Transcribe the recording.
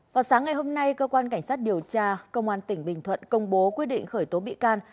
vào sáng ngày hôm nay cơ quan cảnh sát điều tra công an tỉnh bình thuận công bố quyết định khởi tố bị can